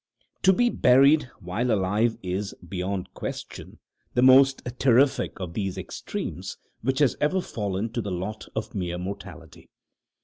To be buried while alive is, beyond question, the most terrific of these extremes which has ever fallen to the lot of mere mortality.